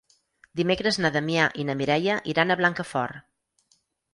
Dimecres na Damià i na Mireia iran a Blancafort.